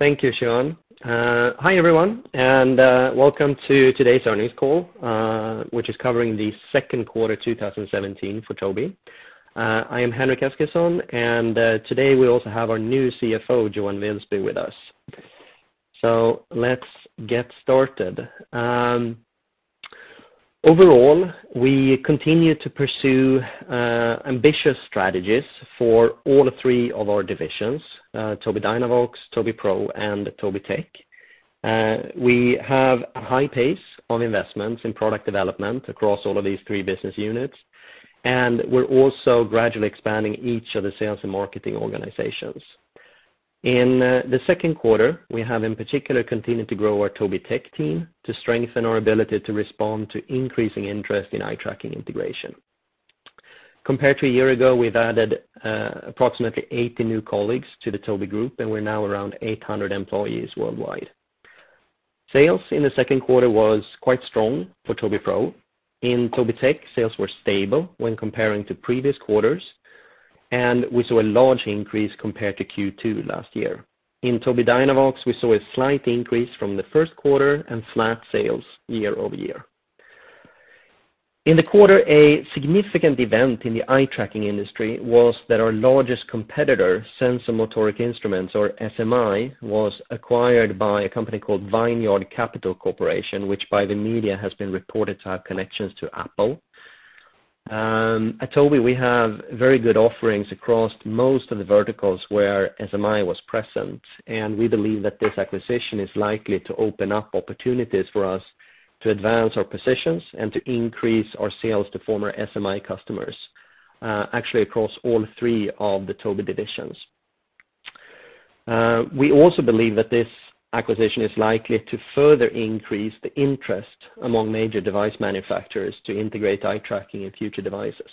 Thank you, Siobhan. Hi, everyone, and welcome to today's earnings call, which is covering the second quarter 2017 for Tobii. I am Henrik Eskilsson, and today we also have our new CFO, Johan Wilsby, with us. Let's get started. Overall, we continue to pursue ambitious strategies for all three of our divisions, Tobii Dynavox, Tobii Pro, and Tobii Tech. We have a high pace of investments in product development across all of these three business units, and we are also gradually expanding each of the sales and marketing organizations. In the second quarter, we have in particular continued to grow our Tobii Tech team to strengthen our ability to respond to increasing interest in eye-tracking integration. Compared to a year ago, we have added approximately 80 new colleagues to the Tobii group, and we are now around 800 employees worldwide. Sales in the second quarter was quite strong for Tobii Pro. In Tobii Tech, sales were stable when comparing to previous quarters, and we saw a large increase compared to Q2 last year. In Tobii Dynavox, we saw a slight increase from the first quarter and flat sales year-over-year. In the quarter, a significant event in the eye-tracking industry was that our largest competitor, SensoMotoric Instruments, or SMI, was acquired by a company called Vineyard Capital Corporation, which by the media has been reported to have connections to Apple. At Tobii, we have very good offerings across most of the verticals where SMI was present, and we believe that this acquisition is likely to open up opportunities for us to advance our positions and to increase our sales to former SMI customers, actually across all three of the Tobii divisions. We also believe that this acquisition is likely to further increase the interest among major device manufacturers to integrate eye tracking in future devices.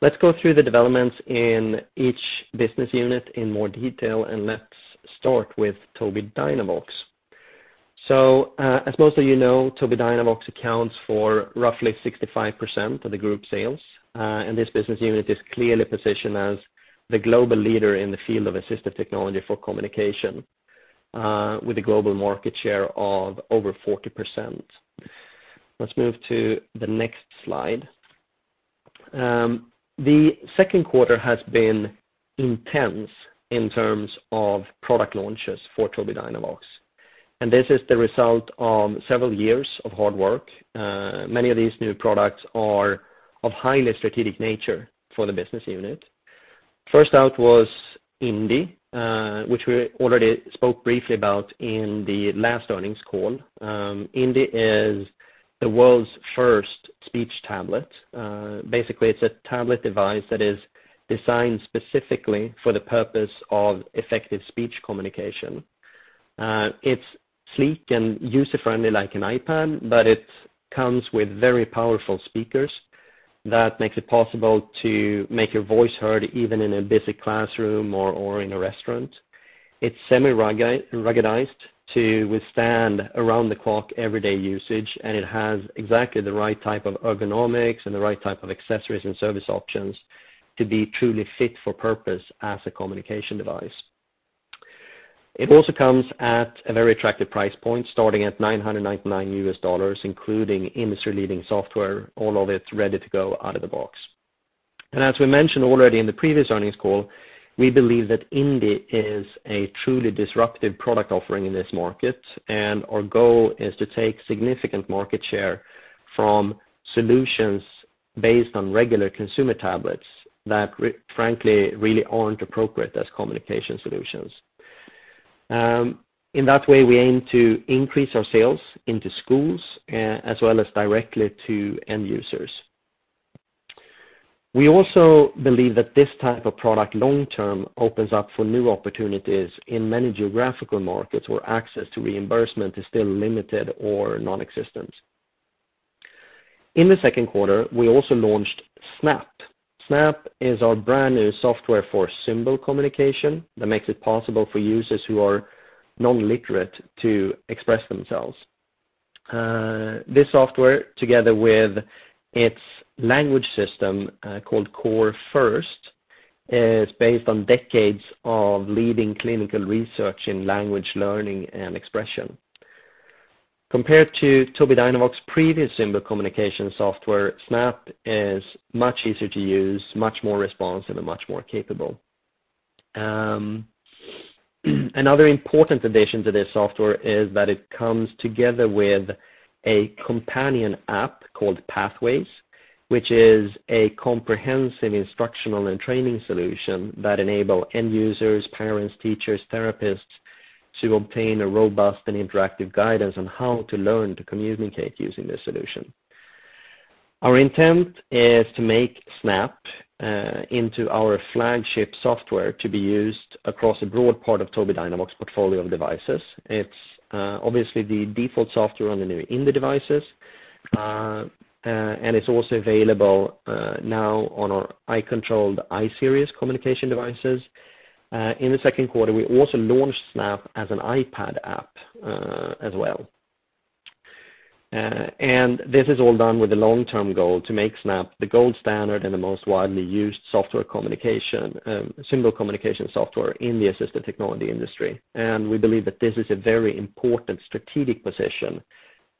Let's go through the developments in each business unit in more detail, and let's start with Tobii Dynavox. As most of you know, Tobii Dynavox accounts for roughly 65% of the group sales. This business unit is clearly positioned as the global leader in the field of assistive technology for communication with a global market share of over 40%. Let's move to the next slide. The second quarter has been intense in terms of product launches for Tobii Dynavox, and this is the result of several years of hard work. Many of these new products are of highly strategic nature for the business unit. First out was Indi, which we already spoke briefly about in the last earnings call. Indi is the world's first speech tablet. Basically, it is a tablet device that is designed specifically for the purpose of effective speech communication. It is sleek and user-friendly like an iPad, but it comes with very powerful speakers that makes it possible to make your voice heard even in a busy classroom or in a restaurant. It is semi-ruggedized to withstand around-the-clock, everyday usage, and it has exactly the right type of ergonomics and the right type of accessories and service options to be truly fit for purpose as a communication device. It also comes at a very attractive price point, starting at $999 US, including industry-leading software, all of it ready to go out of the box. As we mentioned already in the previous earnings call, we believe that Indi is a truly disruptive product offering in this market, and our goal is to take significant market share from solutions based on regular consumer tablets that, frankly, really aren't appropriate as communication solutions. In that way, we aim to increase our sales into schools as well as directly to end users. We also believe that this type of product long-term opens up for new opportunities in many geographical markets where access to reimbursement is still limited or nonexistent. In the second quarter, we also launched Snap. Snap is our brand-new software for symbol communication that makes it possible for users who are non-literate to express themselves. This software, together with its language system, called Core First, is based on decades of leading clinical research in language learning and expression. Compared to Tobii Dynavox's previous symbol communication software, Snap is much easier to use, much more responsive, and much more capable. Another important addition to this software is that it comes together with a companion app called Pathways, which is a comprehensive instructional and training solution that enable end users, parents, teachers, therapists to obtain a robust and interactive guidance on how to learn to communicate using this solution. Our intent is to make Snap into our flagship software to be used across a broad part of Tobii Dynavox portfolio of devices. It's obviously the default software on the new Indi devices, and it's also available now on our eye-controlled I-Series communication devices. In the second quarter, we also launched Snap as an iPad app as well. This is all done with the long-term goal to make Snap the gold standard and the most widely used symbol communication software in the assistive technology industry. We believe that this is a very important strategic position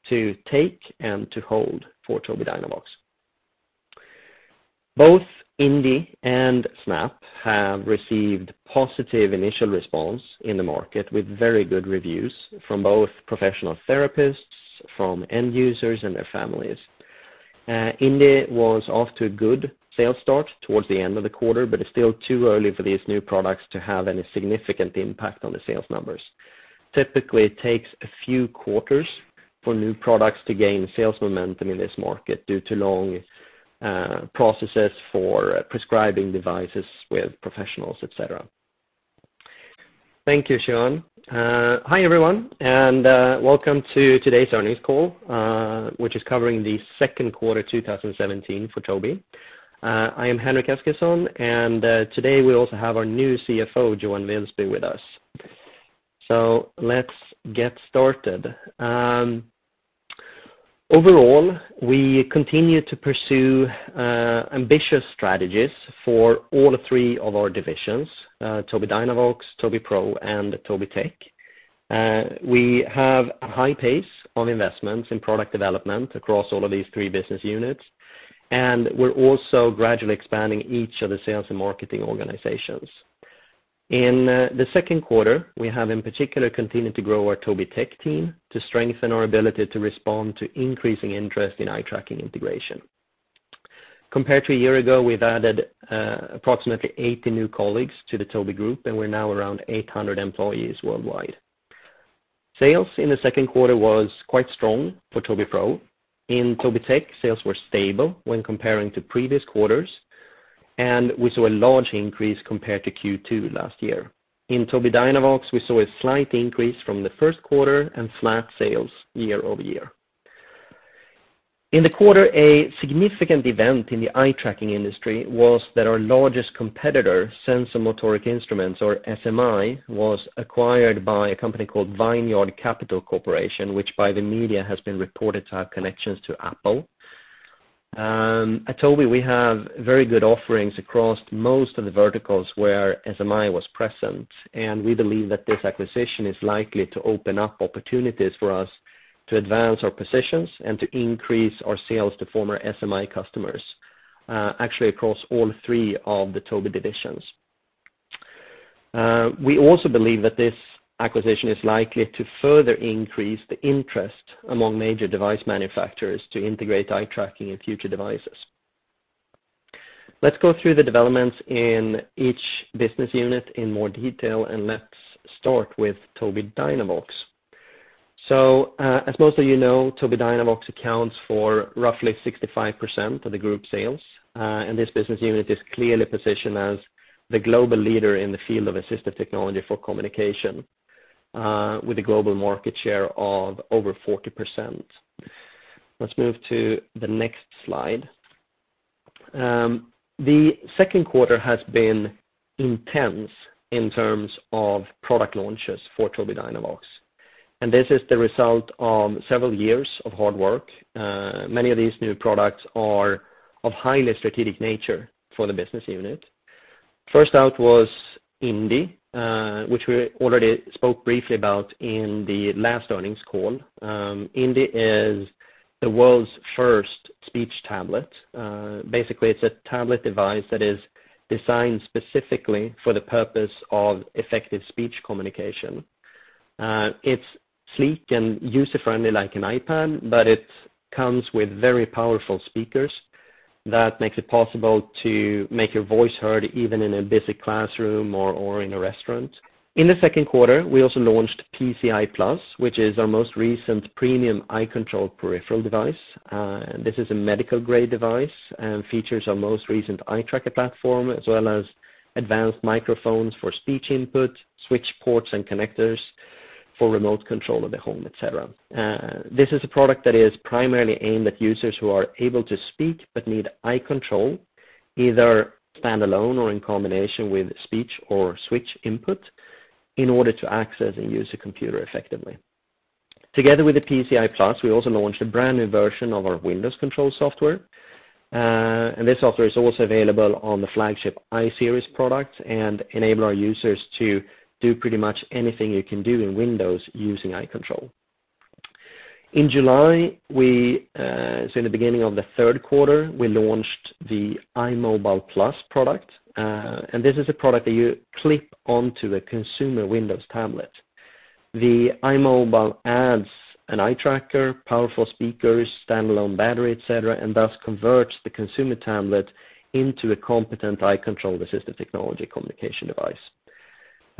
to take and to hold for Tobii Dynavox. Both Indi and Snap have received positive initial response in the market with very good reviews from both professional therapists, from end users, and their families.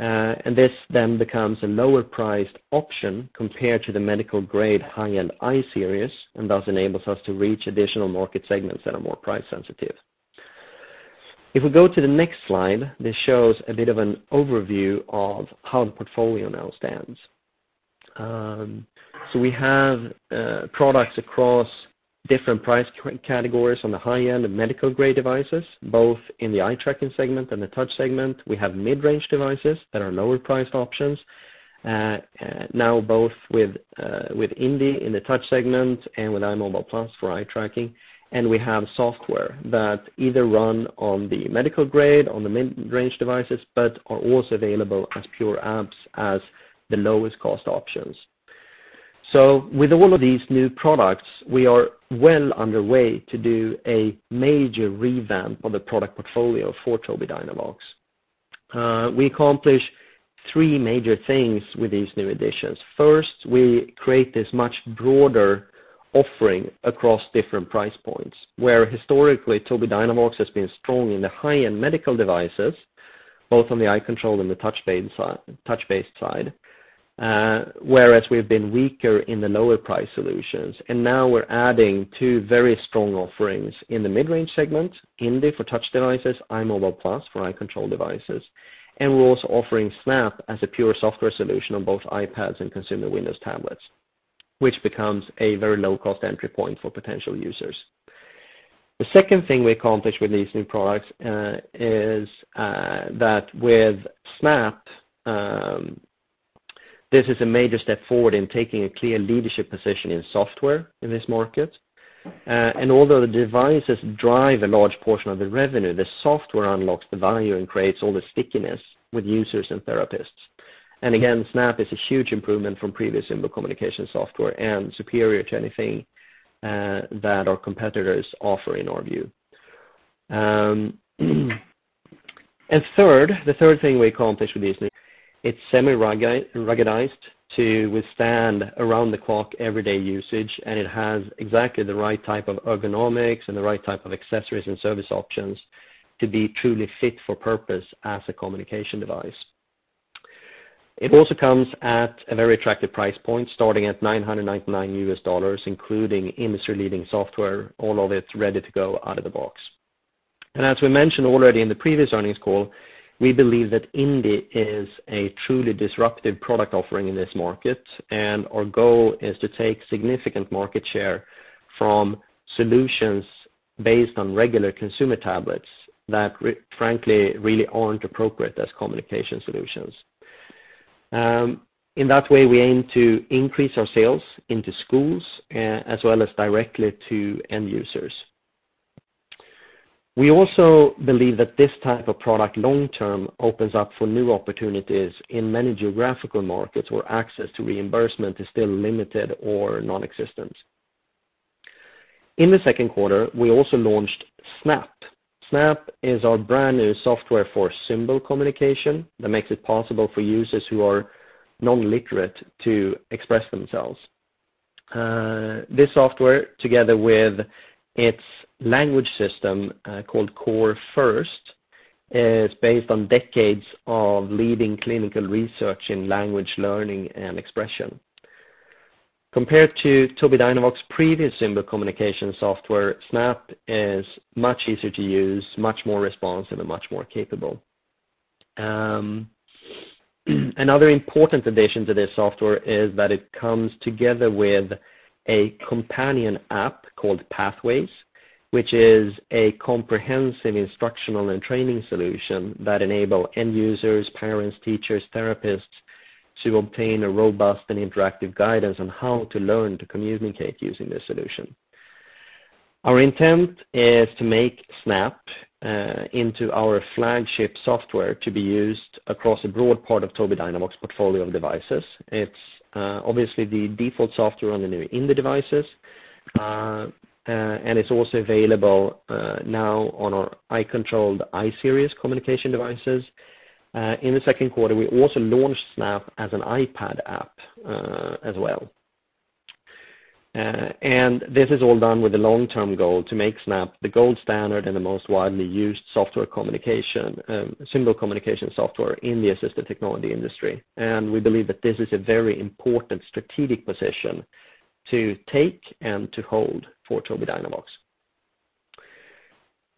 Indi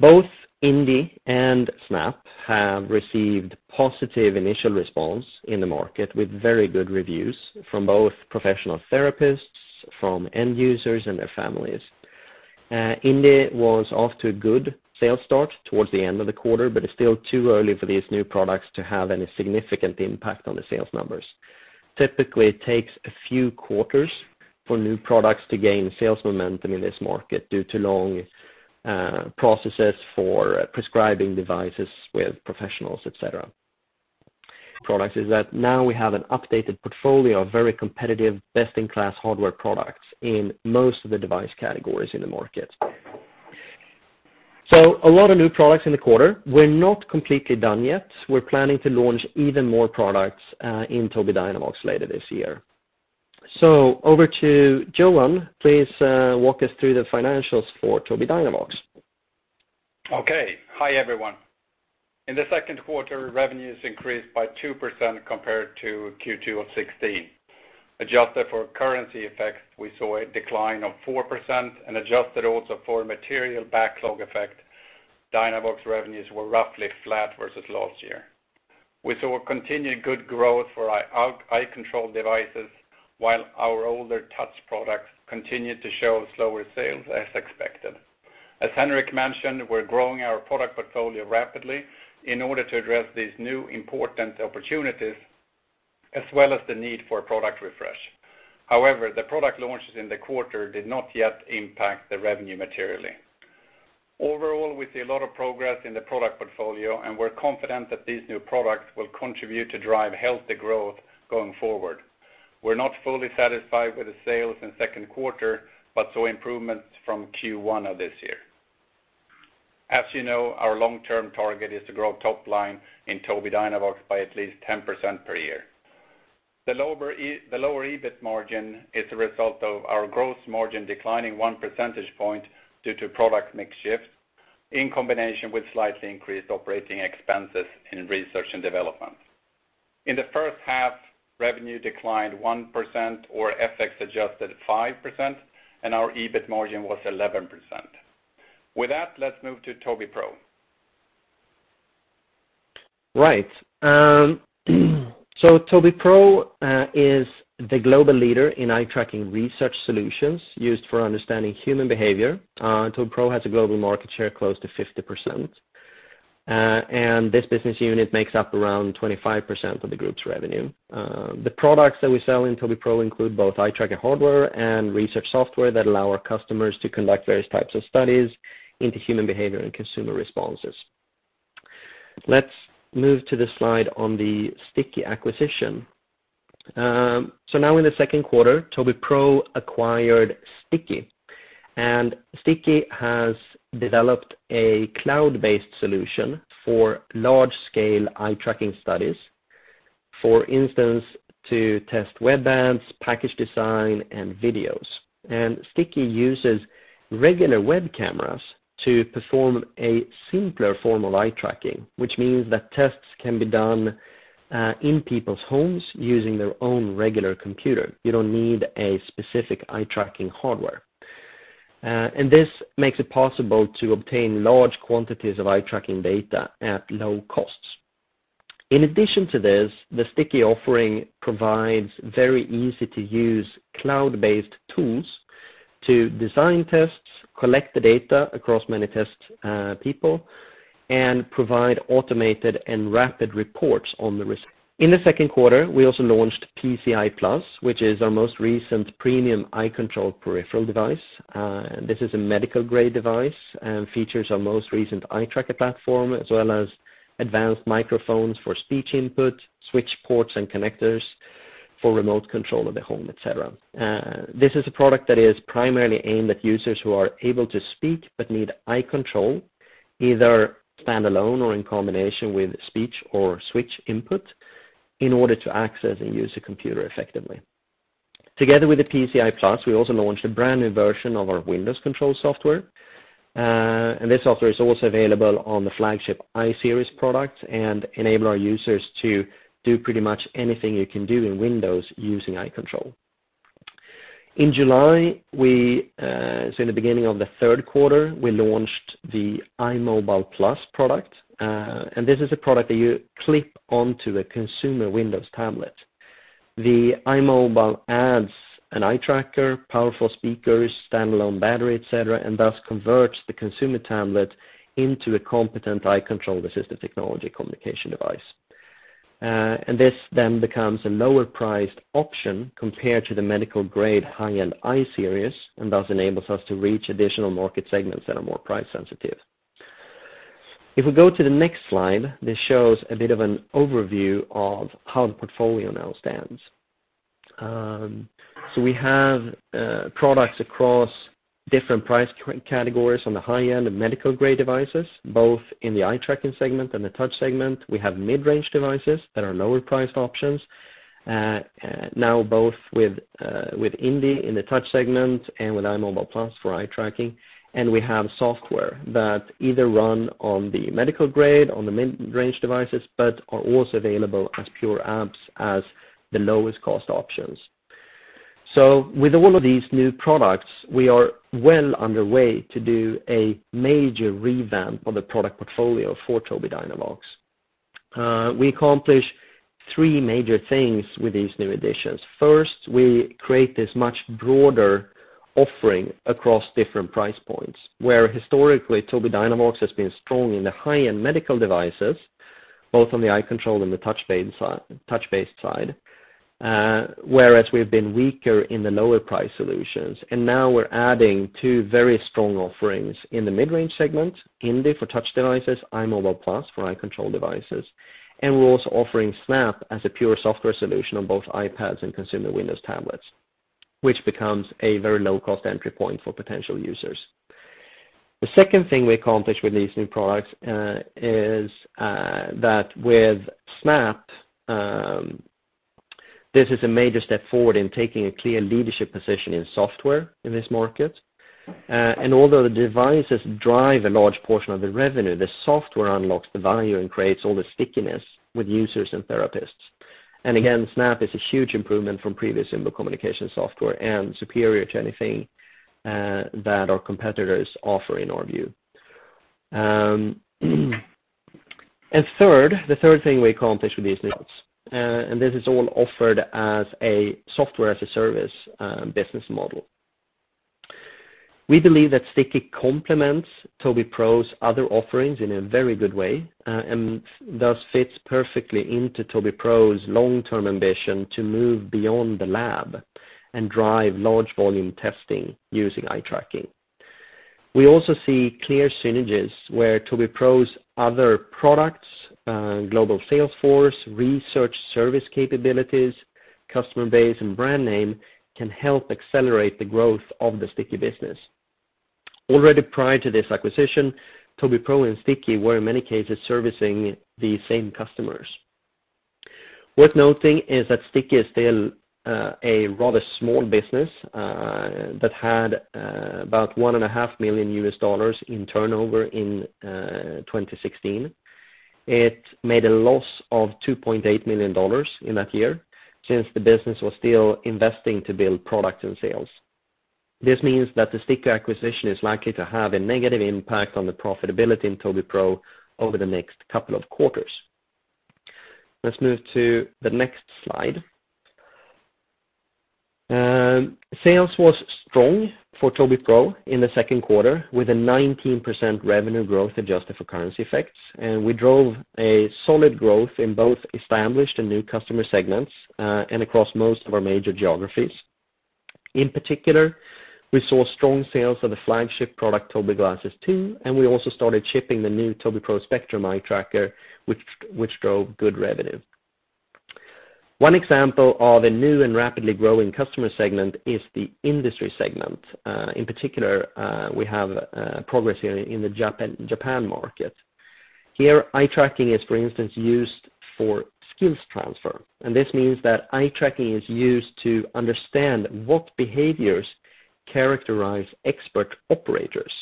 was off to a good sales start towards the end of the quarter, but it's still too early for these new products to have any significant impact on the sales numbers. Typically, it takes a few quarters for new products to gain sales momentum in this market due to long processes for prescribing devices with professionals, et cetera. Products is that now we have an updated portfolio of very competitive, best-in-class hardware products in most of the device categories in the market. A lot of new products in the quarter. We're not completely done yet. We're planning to launch even more products in Tobii Dynavox later this year. Over to Johan, please walk us through the financials for Tobii Dynavox. Okay. Hi, everyone. In the second quarter, revenues increased by 2% compared to Q2 of 2016. Adjusted for currency effects, we saw a decline of 4%, and adjusted also for material backlog effect, Dynavox revenues were roughly flat versus last year. We saw continued good growth for our eye control devices while our older touch products continued to show slower sales as expected. As Henrik mentioned, we're growing our product portfolio rapidly in order to address these new important opportunities, as well as the need for product refresh. However, the product launches in the quarter did not yet impact the revenue materially. Overall, we see a lot of progress in the product portfolio, we're confident that these new products will contribute to drive healthy growth going forward. We're not fully satisfied with the sales in second quarter, saw improvements from Q1 of this year. As you know, our long-term target is to grow top line in Tobii Dynavox by at least 10% per year. The lower EBIT margin is a result of our growth margin declining one percentage point due to product mix shift, in combination with slightly increased operating expenses in research and development. In the first half, revenue declined 1% or FX adjusted 5%, our EBIT margin was 11%. With that, let's move to Tobii Pro. Right. Tobii Pro is the global leader in eye tracking research solutions used for understanding human behavior. Tobii Pro has a global market share close to 50%. This business unit makes up around 25% of the group's revenue. The products that we sell in Tobii Pro include both eye tracker hardware and research software that allow our customers to conduct various types of studies into human behavior and consumer responses. Let's move to the slide on the Sticky acquisition. Now in the second quarter, Tobii Pro acquired Sticky. Sticky has developed a cloud-based solution for large-scale eye tracking studies. For instance, to test web ads, package design, and videos. Sticky uses regular web cameras to perform a simpler form of eye tracking, which means that tests can be done in people's homes using their own regular computer. You don't need a specific eye-tracking hardware. This makes it possible to obtain large quantities of eye tracking data at low costs. In addition to this, the Sticky offering provides very easy-to-use cloud-based tools to design tests, collect the data across many test people, and provide automated and rapid reports on the results. In the second quarter, we also launched PCEye Plus, which is our most recent premium eye control peripheral device. This is a medical-grade device and features our most recent eye tracker platform, as well as advanced microphones for speech input, switch ports and connectors for remote control of the home, et cetera. This is a product that is primarily aimed at users who are able to speak but need eye control, either standalone or in combination with speech or switch input in order to access and use a computer effectively. Together with the PCEye Plus, we also launched a brand-new version of our Windows Control software. This software is also available on the flagship I-Series product and enable our users to do pretty much anything you can do in Windows using eye control. In July, in the beginning of the third quarter, we launched the EyeMobile Plus product. This is a product that you clip onto a consumer Windows tablet. The EyeMobile adds an eye tracker, powerful speakers, standalone battery, et cetera, and thus converts the consumer tablet into a competent eye control assistive technology communication device. This then becomes a lower-priced option compared to the medical-grade high-end I-Series, and thus enables us to reach additional market segments that are more price sensitive. If we go to the next slide, this shows a bit of an overview of how the portfolio now stands. We have products across different price categories on the high end of medical-grade devices, both in the eye tracking segment and the touch segment. We have mid-range devices that are lower-priced options. Now both with Indi in the touch segment and with EyeMobile Plus for eye tracking, we have software that either run on the medical-grade, on the mid-range devices, but are also available as pure apps as the lowest-cost options. With all of these new products, we are well underway to do a major revamp of the product portfolio for Tobii Dynavox. We accomplish three major things with these new additions. First, we create this much broader offering across different price points, where historically, Tobii Dynavox has been strong in the high-end medical devices, both on the eye control and the touch-based side, whereas we've been weaker in the lower-priced solutions. Now we're adding two very strong offerings in the mid-range segment, Indi for touch devices, EyeMobile Plus for eye control devices. We're also offering Snap as a pure software solution on both iPads and consumer Windows tablets, which becomes a very low-cost entry point for potential users. The second thing we accomplish with these new products is that with Snap, this is a major step forward in taking a clear leadership position in software in this market. Although the devices drive a large portion of the revenue, the software unlocks the value and creates all the stickiness with users and therapists. Again, Snap is a huge improvement from previous in-built communication software and superior to anything that our competitors offer, in our view. Third, the third thing we accomplished with these and this is all offered as a Software as a Service business model. We believe that Sticky complements Tobii Pro's other offerings in a very good way, thus fits perfectly into Tobii Pro's long-term ambition to move beyond the lab and drive large volume testing using eye tracking. We also see clear synergies where Tobii Pro's other products, global sales force, research service capabilities, customer base, and brand name can help accelerate the growth of the Sticky business. Already prior to this acquisition, Tobii Pro and Sticky were, in many cases, servicing the same customers. Worth noting is that Sticky is still a rather small business that had about SEK 1.5 million in turnover in 2016. It made a loss of SEK 2.8 million in that year, since the business was still investing to build product and sales. This means that the Sticky acquisition is likely to have a negative impact on the profitability in Tobii Pro over the next couple of quarters. Let's move to the next slide. Sales was strong for Tobii Pro in the second quarter, with a 19% revenue growth, adjusted for currency effects. We drove a solid growth in both established and new customer segments, across most of our major geographies. In particular, we saw strong sales of the flagship product, Tobii Pro Glasses 2. We also started shipping the new Tobii Pro Spectrum eye tracker, which drove good revenue. One example of a new and rapidly growing customer segment is the industry segment. In particular, we have progress here in the Japan market. Here, eye tracking is, for instance, used for skills transfer. This means that eye tracking is used to understand what behaviors characterize expert operators.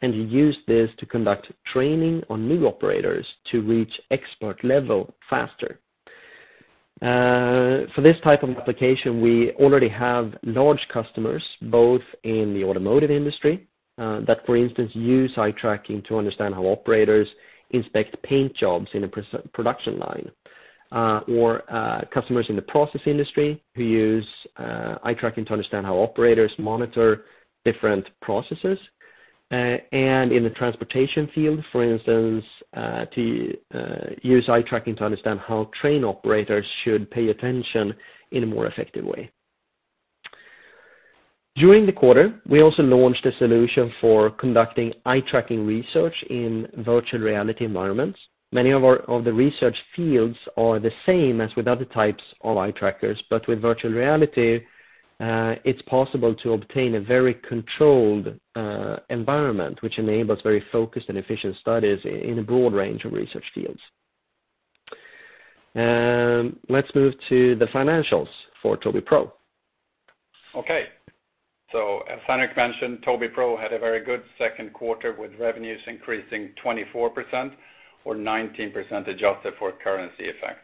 You use this to conduct training on new operators to reach expert level faster. For this type of application, we already have large customers, both in the automotive industry, that, for instance, use eye tracking to understand how operators inspect paint jobs in a production line, or customers in the process industry who use eye tracking to understand how operators monitor different processes. In the transportation field, for instance, to use eye tracking to understand how train operators should pay attention in a more effective way. During the quarter, we also launched a solution for conducting eye tracking research in virtual reality environments. Many of the research fields are the same as with other types of eye trackers. With virtual reality, it's possible to obtain a very controlled environment, which enables very focused and efficient studies in a broad range of research fields. Let's move to the financials for Tobii Pro. Okay. As Henrik mentioned, Tobii Pro had a very good second quarter with revenues increasing 24%, or 19% adjusted for currency effects.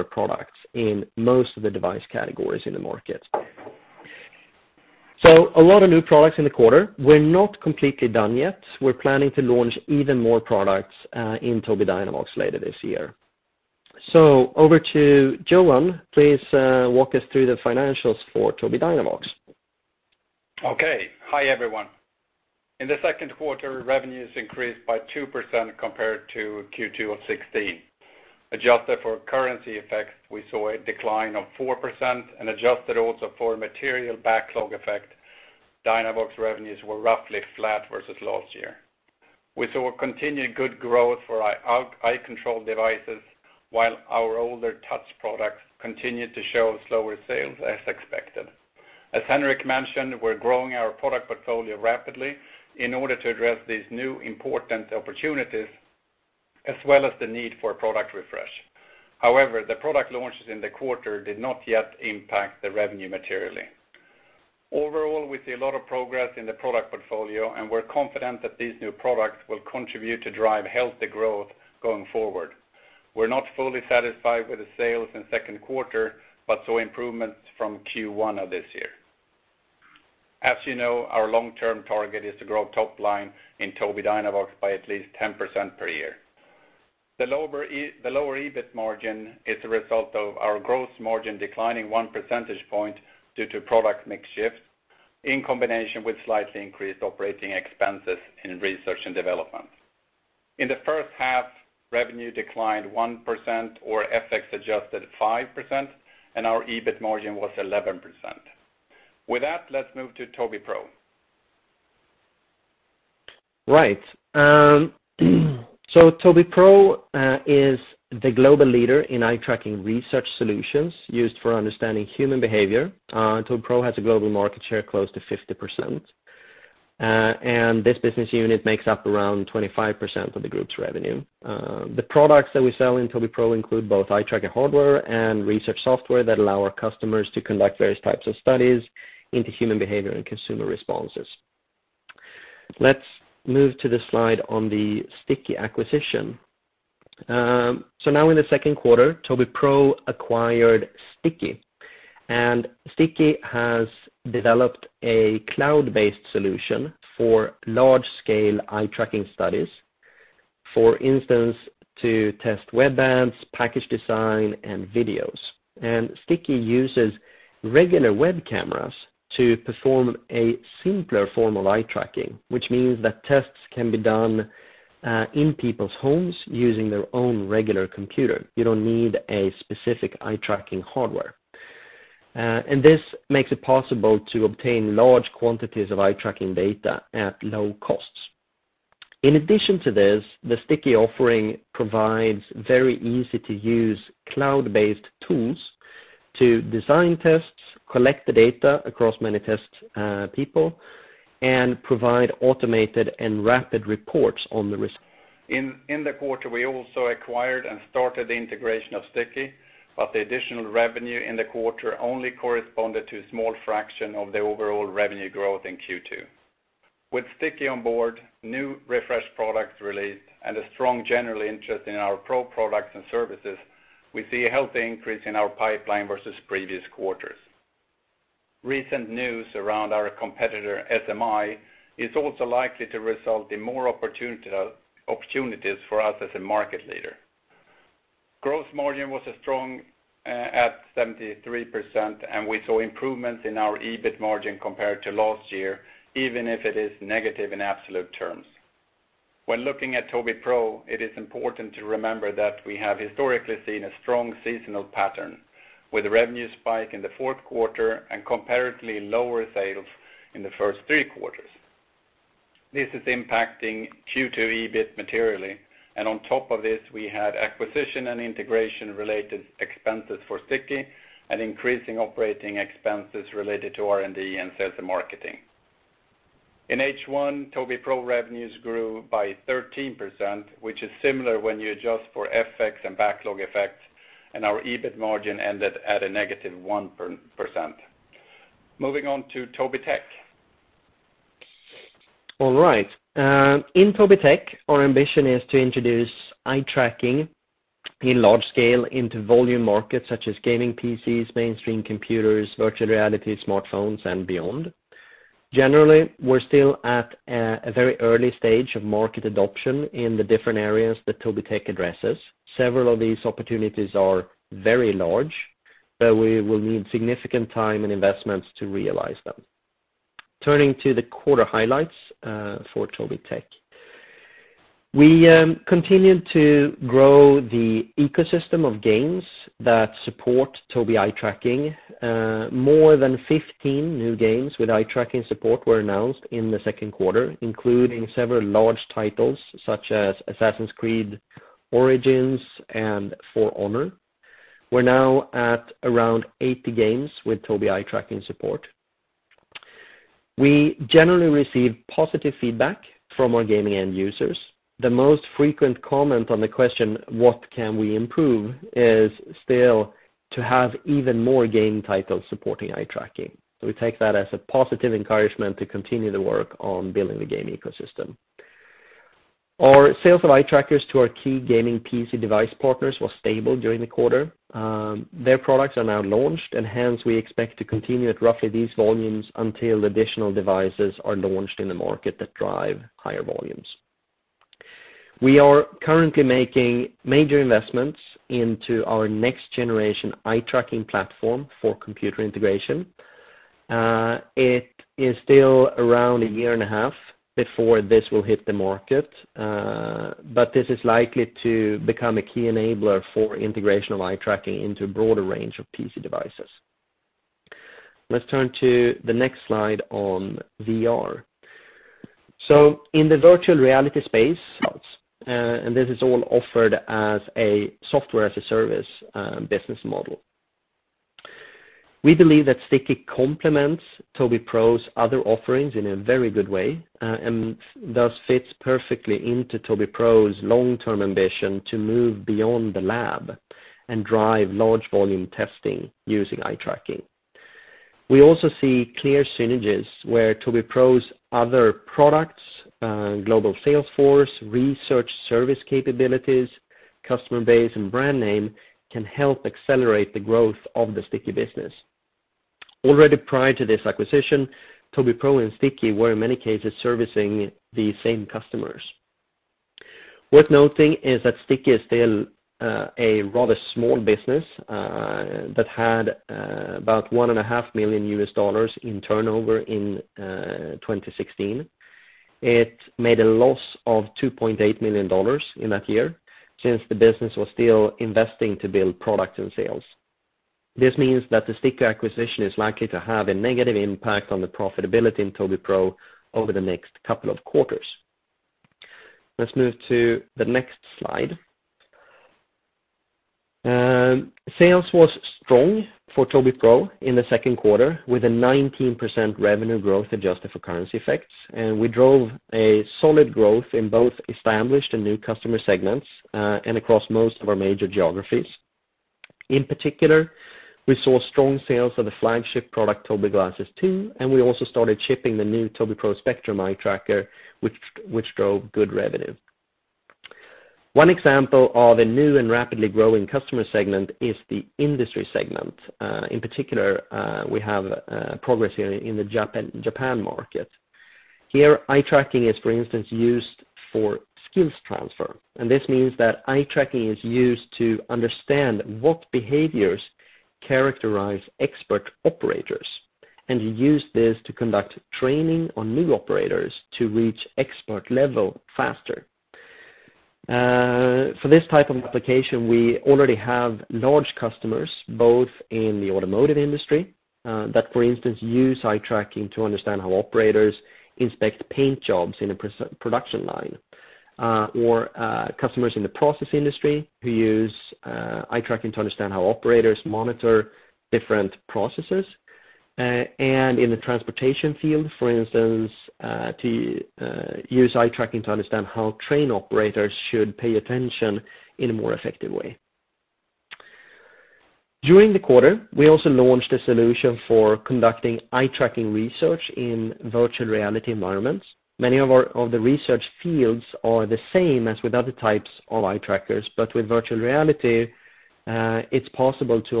Continue to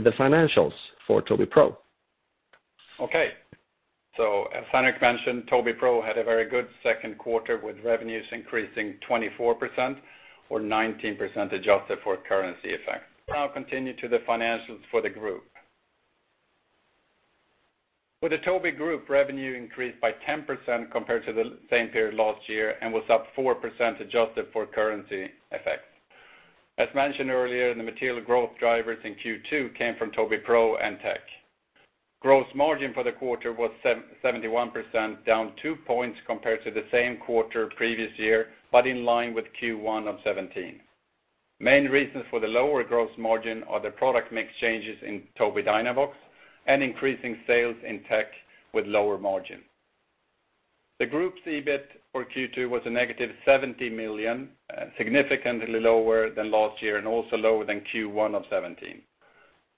the financials for the group. For the Tobii group, revenue increased by 10% compared to the same period last year and was up 4% adjusted for currency effect. As mentioned earlier, the material growth drivers in Q2 came from Tobii Pro and Tech. Gross margin for the quarter was 71%, down two points compared to the same quarter previous year, but in line with Q1 of 2017. Main reasons for the lower gross margin are the product mix changes in Tobii Dynavox and increasing sales in Tech with lower margin. The group EBIT for Q2 was a negative 70 million, significantly lower than last year and also lower than Q1 of 2017.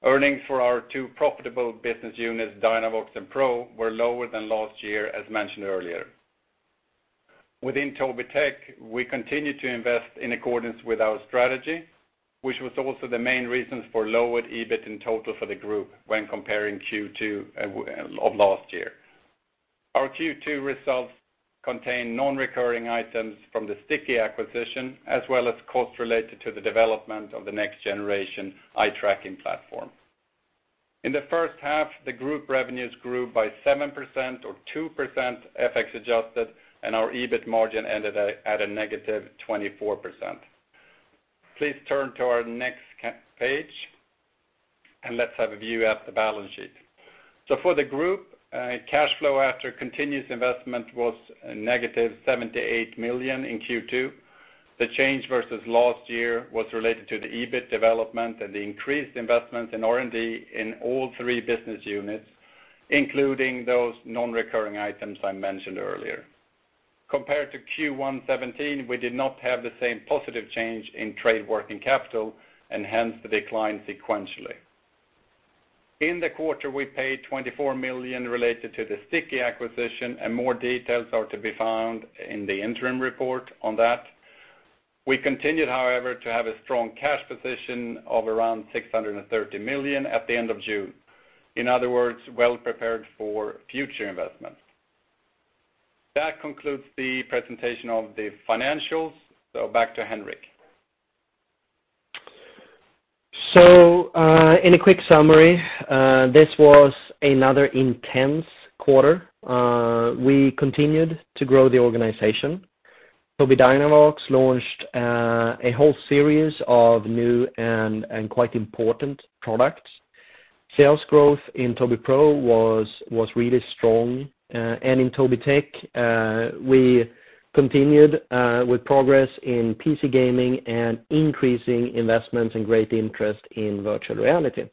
Earnings for our two profitable business units, Dynavox and Pro, were lower than last year, as mentioned earlier. Within Tobii Tech, we continue to invest in accordance with our strategy, which was also the main reasons for lowered EBIT in total for the group when comparing Q2 of last year. Our Q2 results contain non-recurring items from the Sticky acquisition, as well as costs related to the development of the next generation eye tracking platform. In the first half, the group revenues grew by 7% or 2% FX adjusted, and our EBIT margin ended at a negative 24%. Please turn to our next page and let's have a view at the balance sheet. For the group, cash flow after continuous investment was a negative 78 million in Q2. The change versus last year was related to the EBIT development and the increased investment in R&D in all three business units, including those non-recurring items I mentioned earlier. Compared to Q1 2017, we did not have the same positive change in trade working capital and hence the decline sequentially. In the quarter, we paid 24 million related to the Sticky acquisition, and more details are to be found in the interim report on that. We continued, however, to have a strong cash position of around 630 million at the end of June. In other words, well prepared for future investments. That concludes the presentation of the financials, back to Henrik. In a quick summary, this was another intense quarter. We continued to grow the organization. Tobii Dynavox launched a whole series of new and quite important products. Sales growth in Tobii Pro was really strong. In Tobii Tech, we continued with progress in PC gaming and increasing investments and great interest in virtual reality.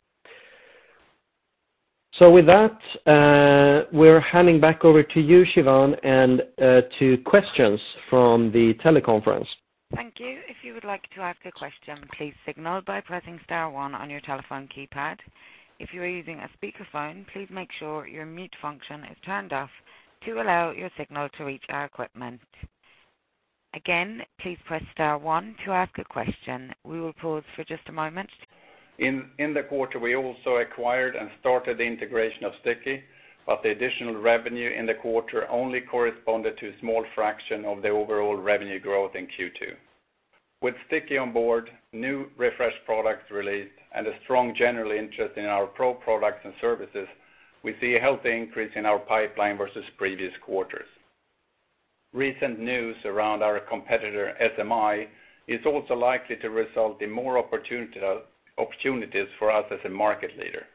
With that, we're handing back over to you, Siobhan, and to questions from the teleconference. Thank you. If you would like to ask a question, please signal by pressing star one on your telephone keypad. If you are using a speakerphone, please make sure your mute function is turned off to allow your signal to reach our equipment. Again, please press star one to ask a question. We will pause for just a moment. In the quarter, we also acquired and started the integration of Sticky, the additional revenue in the quarter only corresponded to a small fraction of the overall revenue growth in Q2. With Sticky on board, new refreshed products released, and a strong general interest in our Pro products and services, we see a healthy increase in our pipeline versus previous quarters. Recent news around our competitor, SMI, is also likely to result in more opportunities for us as a market leader.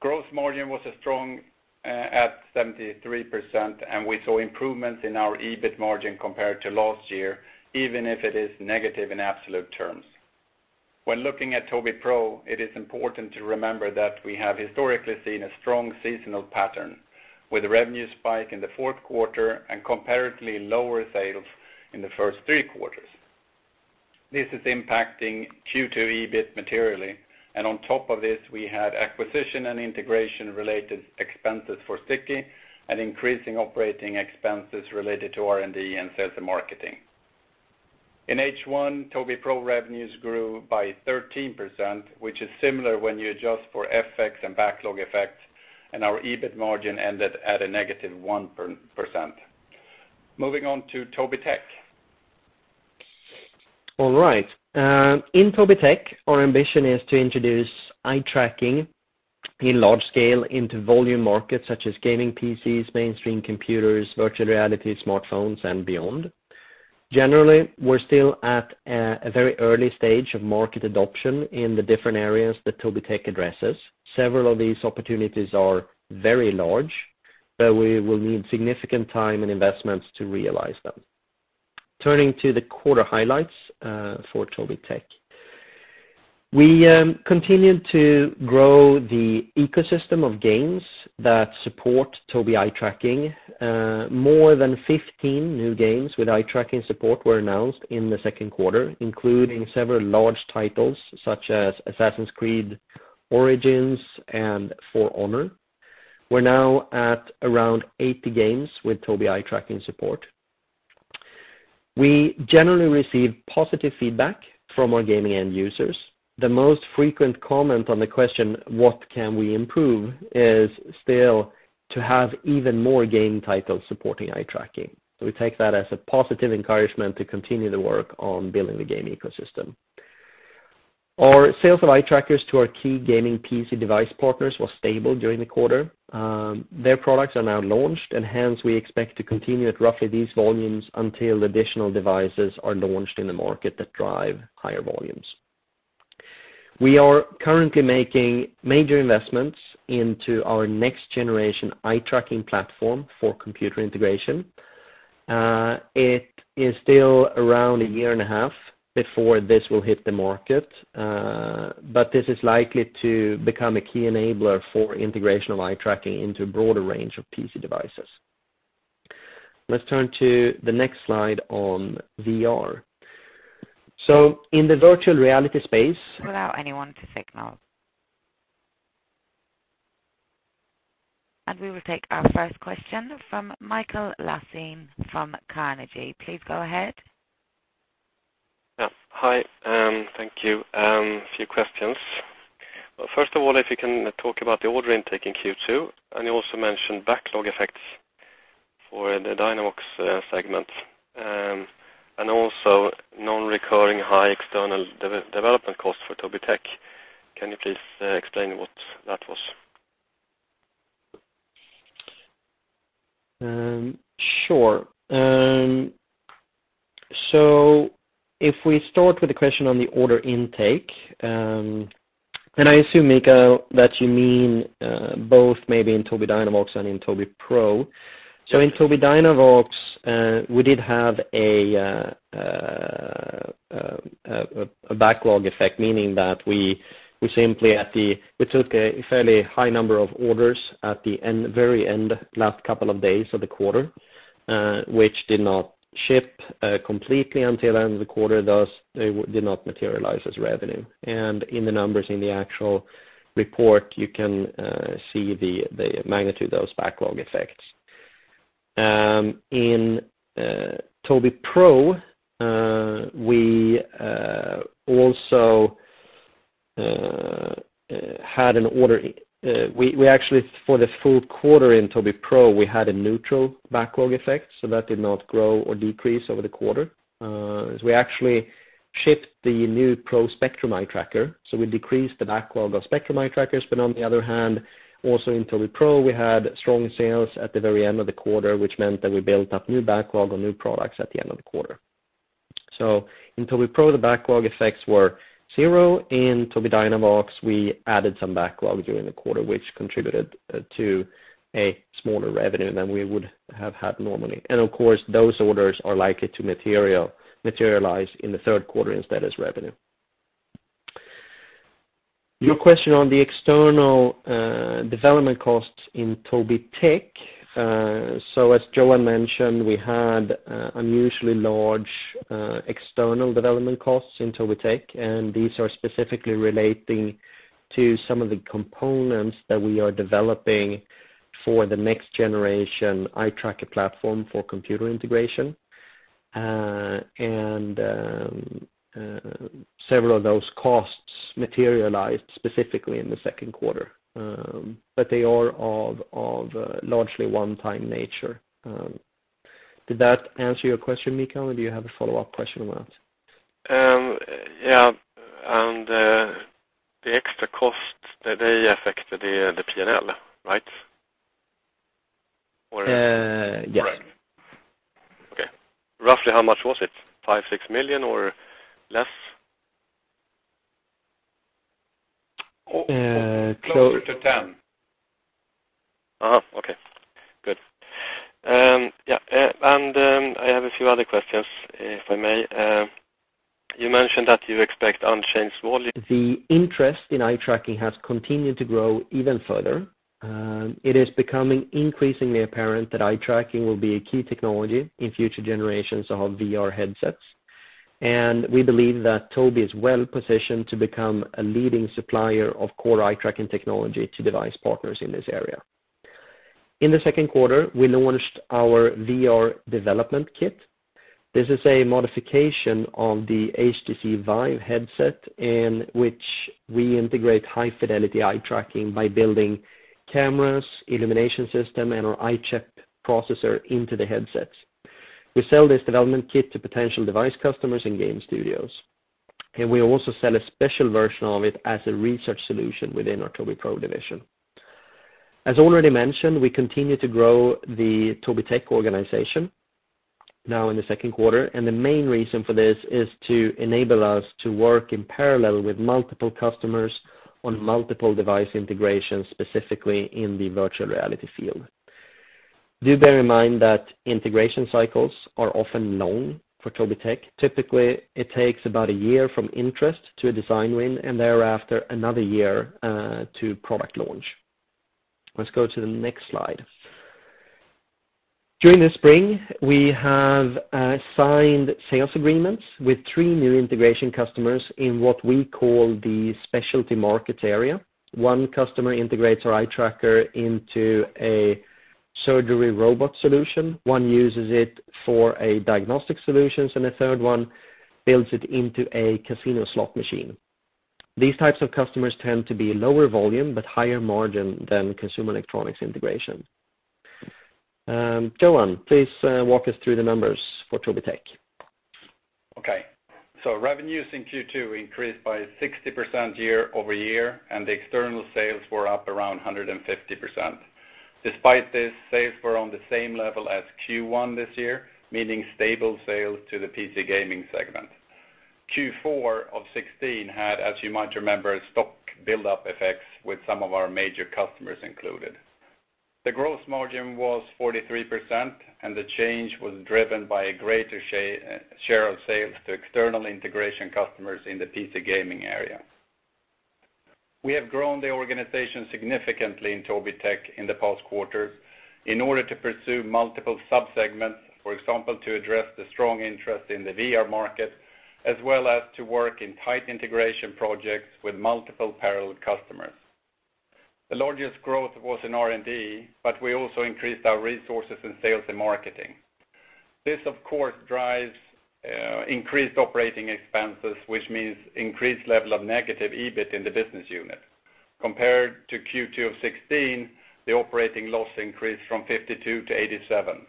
Gross margin was strong at 73%, and we saw improvements in our EBIT margin compared to last year, even if it is negative in absolute terms. When looking at Tobii Pro, it is important to remember that we have historically seen a strong seasonal pattern, with a revenue spike in the fourth quarter and comparatively lower sales in the first three quarters. This is impacting Q2 EBIT materially. On top of this, we had acquisition and integration-related expenses for Sticky and increasing operating expenses related to R&D and sales and marketing. In H1, Tobii Pro revenues grew by 13%, which is similar when you adjust for FX and backlog effects, and our EBIT margin ended at a negative 1%. Moving on to Tobii Tech. All right. In Tobii Tech, our ambition is to introduce eye tracking in large scale into volume markets such as gaming PCs, mainstream computers, virtual reality, smartphones, and beyond. Generally, we're still at a very early stage of market adoption in the different areas that Tobii Tech addresses. Several of these opportunities are very large, so we will need significant time and investments to realize them. Turning to the quarter highlights for Tobii Tech. We continued to grow the ecosystem of games that support Tobii eye tracking. More than 15 new games with eye tracking support were announced in the second quarter, including several large titles such as "Assassin's Creed Origins" and "For Honor". We're now at around 80 games with Tobii eye tracking support. We generally receive positive feedback from our gaming end users. The most frequent comment on the question, what can we improve? Is still to have even more game titles supporting eye tracking. We take that as a positive encouragement to continue the work on building the game ecosystem. Our sales of eye trackers to our key gaming PC device partners were stable during the quarter. Their products are now launched, and hence we expect to continue at roughly these volumes until additional devices are launched in the market that drive higher volumes. We are currently making major investments into our next-generation eye tracking platform for computer integration. It is still around a year and a half before this will hit the market, but this is likely to become a key enabler for integration of eye tracking into a broader range of PC devices. Let's turn to the next slide on VR. In the virtual reality space- Allow anyone to signal. We will take our first question from Mikael Laséen from Carnegie. Please go ahead. Yeah. Hi. Thank you. A few questions. First of all, if you can talk about the order intake in Q2, and you also mentioned backlog effects for the Dynavox segment. Also non-recurring high external development costs for Tobii Tech. Can you please explain what that was? Sure. If we start with the question on the order intake, I assume, Mikael, that you mean both maybe in Tobii Dynavox and in Tobii Pro. In Tobii Dynavox, we did have a backlog effect, meaning that we took a fairly high number of orders at the very end, last couple of days of the quarter, which did not ship completely until the end of the quarter. Thus, they did not materialize as revenue. In the numbers in the actual report, you can see the magnitude of those backlog effects. In Tobii Pro, for the full quarter in Tobii Pro, we had a neutral backlog effect, so that did not grow or decrease over the quarter, as we actually shipped the new Pro Spectrum eye tracker. We decreased the backlog of Spectrum eye trackers. On the other hand, also in Tobii Pro, we had strong sales at the very end of the quarter, which meant that we built up new backlog on new products at the end of the quarter. In Tobii Pro, the backlog effects were zero. In Tobii Dynavox, we added some backlog during the quarter, which contributed to a smaller revenue than we would have had normally. Of course, those orders are likely to materialize in the third quarter instead as revenue. Your question on the external development costs in Tobii Tech. As Johan mentioned, we had unusually large external development costs in Tobii Tech, and these are specifically relating to some of the components that we are developing for the next generation eye tracker platform for computer integration. Several of those costs materialized specifically in the second quarter. They are of largely one-time nature. Did that answer your question, Mikael? Do you have a follow-up question on that? Yeah. The extra costs, they affected the P&L, right? Yes. Correct. Okay. Roughly how much was it? SEK five, six million or less? Closer to 10. Okay, good. I have a few other questions, if I may. The interest in eye tracking has continued to grow even further. It is becoming increasingly apparent that eye tracking will be a key technology in future generations of VR headsets, and we believe that Tobii is well-positioned to become a leading supplier of core eye-tracking technology to device partners in this area. In the second quarter, we launched our VR development kit. This is a modification of the HTC VIVE headset in which we integrate high-fidelity eye tracking by building cameras, illumination system, and our EyeChip processor into the headsets. We sell this development kit to potential device customers and game studios, and we also sell a special version of it as a research solution within our Tobii Pro division. As already mentioned, we continue to grow the Tobii Tech organization now in the second quarter, and the main reason for this is to enable us to work in parallel with multiple customers on multiple device integrations, specifically in the virtual reality field. Do bear in mind that integration cycles are often long for Tobii Tech. Typically, it takes about a year from interest to a design win, and thereafter, another year to product launch. Let's go to the next slide. During the spring, we have signed sales agreements with three new integration customers in what we call the specialty market area. One customer integrates our eye tracker into a surgery robot solution. One uses it for a diagnostic solution, and a third one builds it into a casino slot machine. These types of customers tend to be lower volume but higher margin than consumer electronics integration. Johan, please walk us through the numbers for Tobii Tech. Okay. Revenues in Q2 increased by 60% year-over-year, the external sales were up around 150%. Despite this, sales were on the same level as Q1 this year, meaning stable sales to the PC gaming segment. Q4 of 2016 had, as you might remember, stock buildup effects with some of our major customers included. The gross margin was 43%, the change was driven by a greater share of sales to external integration customers in the PC gaming area. We have grown the organization significantly in Tobii Tech in the past quarters in order to pursue multiple sub-segments. For example, to address the strong interest in the VR market, as well as to work in tight integration projects with multiple parallel customers. The largest growth was in R&D, we also increased our resources in sales and marketing. This, of course, drives increased operating expenses, which means increased level of negative EBIT in the business unit. Compared to Q2 of 2016, the operating loss increased from 52 to 87.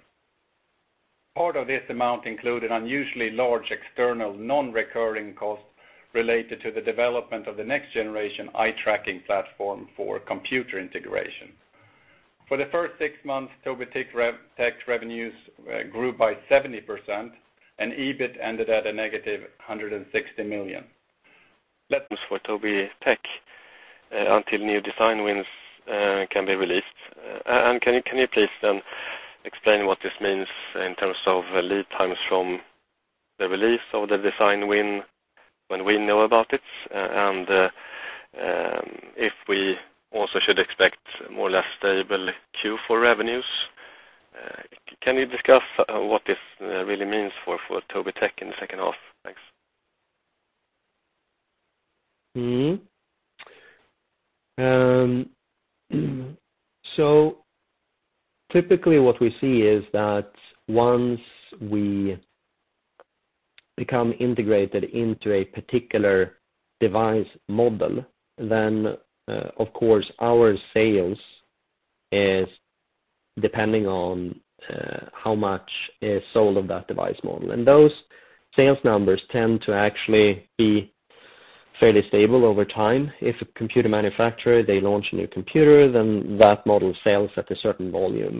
Part of this amount included unusually large external non-recurring costs related to the development of the next-generation eye-tracking platform for computer integration. For the first six months, Tobii Tech revenues grew by 70%, EBIT ended at a negative 160 million. For Tobii Tech until new design wins can be released. Can you please then explain what this means in terms of lead times from the release of the design win, when we know about it, and if we also should expect more or less stable Q4 revenues? Can you discuss what this really means for Tobii Tech in the second half? Thanks. Typically, what we see is that once we become integrated into a particular device model, then of course our sales is depending on how much is sold of that device model. Those sales numbers tend to actually be fairly stable over time. If a computer manufacturer, they launch a new computer, then that model sells at a certain volume.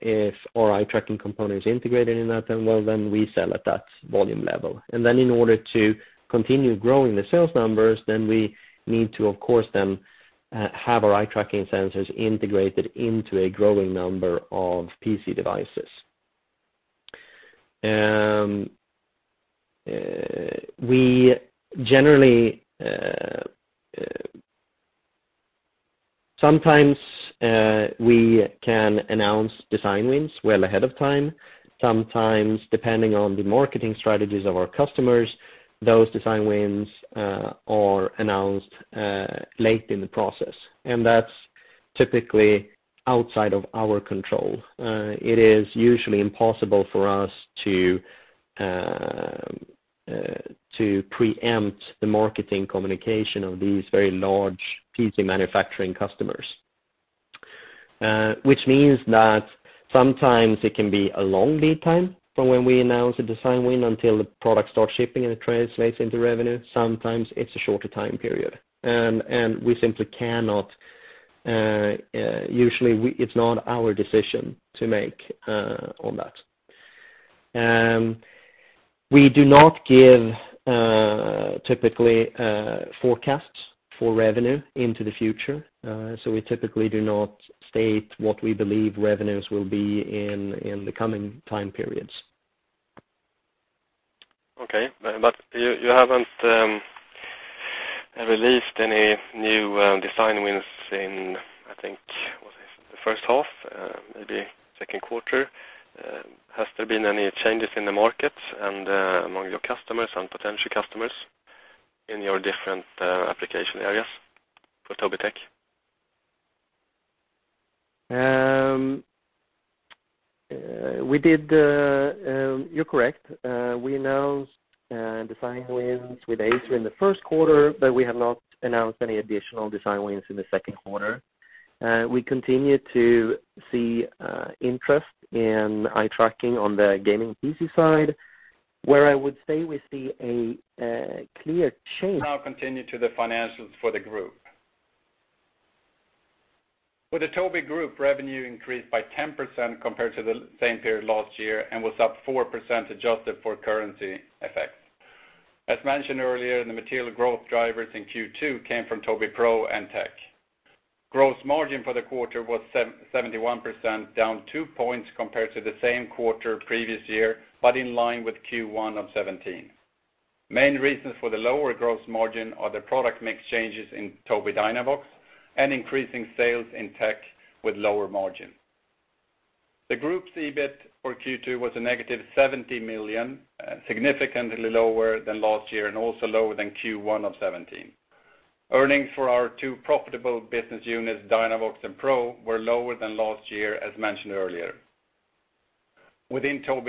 If our eye-tracking component is integrated in that, then well, then we sell at that volume level. In order to continue growing the sales numbers, then we need to, of course, then have our eye-tracking sensors integrated into a growing number of PC devices. Sometimes, we can announce design wins well ahead of time. Sometimes, depending on the marketing strategies of our customers, those design wins are announced late in the process, and that's typically outside of our control. It is usually impossible for us to preempt the marketing communication of these very large PC manufacturing customers. Which means that sometimes it can be a long lead time from when we announce a design win until the product starts shipping and it translates into revenue. Sometimes it's a shorter time period, and Usually, it's not our decision to make on that. We do not give typically forecasts for revenue into the future. We typically do not state what we believe revenues will be in the coming time periods. Okay. You haven't released any new design wins in, I think, the first half, maybe second quarter. Has there been any changes in the market and among your customers and potential customers in your different application areas for Tobii Tech? You're correct. We announced design wins with Acer in the first quarter, but we have not announced any additional design wins in the second quarter. We continue to see interest in eye tracking on the gaming PC side. Which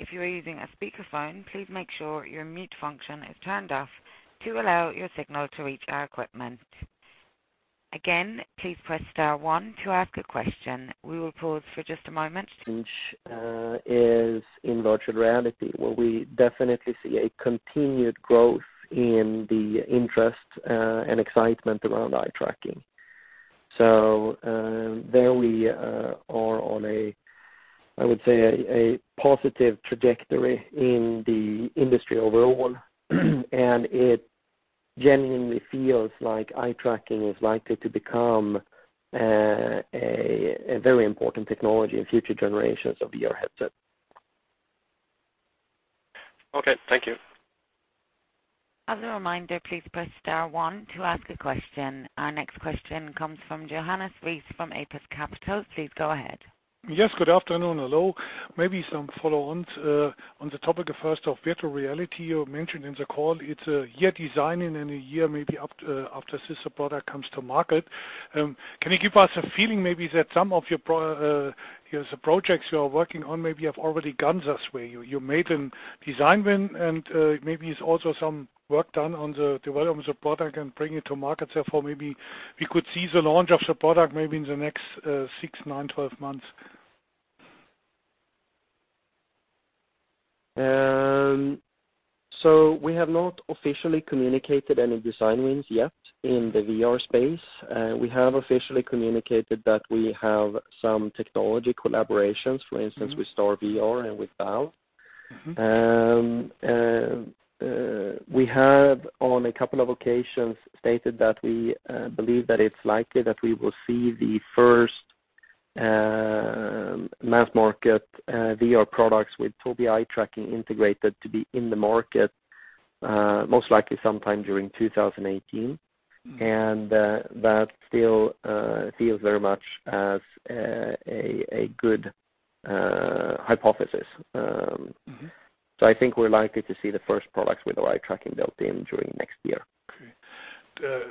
is in virtual reality, where we definitely see a continued growth in the interest and excitement around eye tracking. There we are on a, I would say, a positive trajectory in the industry overall, and it genuinely feels like eye tracking is likely to become a very important technology in future generations of VR headsets. Okay. Thank you. As a reminder, please press star one to ask a question. Our next question comes from Johannes Rees from Apus Capital. Please go ahead. Yes, good afternoon. Hello. Maybe some follow on the topic of first of virtual reality. You mentioned in the call it's a year designing and a year maybe after this product comes to market. Can you give us a feeling maybe that some of your projects you are working on maybe have already gone this way? You made a design win. Maybe it's also some work done on the development of the product and bring it to market. Therefore, maybe we could see the launch of the product maybe in the next 6, 9, 12 months. We have not officially communicated any design wins yet in the VR space. We have officially communicated that we have some technology collaborations, for instance, with StarVR and with Valve. We have on a couple of occasions stated that we believe that it's likely that we will see the first mass market VR products with Tobii eye tracking integrated to be in the market, most likely sometime during 2018. That still feels very much as a good hypothesis. I think we're likely to see the first products with eye tracking built in during next year. Okay.